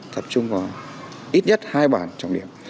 tập trung vào ít nhất hai bản trọng điểm